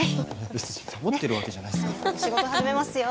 別にサボってるわけじゃないですから仕事始めますよ